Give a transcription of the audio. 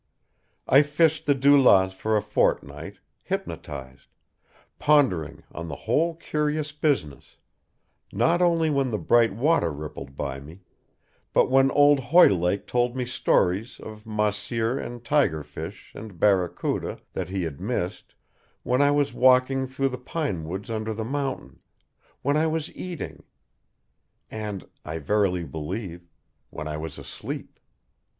I fished the Dulas for a fortnight, hypnotised, pondering on the whole curious business, not only when the bright water rippled by me, but when old Hoylake told me stories of mahseer and tiger fish and barracuda that he had missed, when I was walking through the pinewoods under the mountain, when I was eating, and, I verily believe, when I was asleep.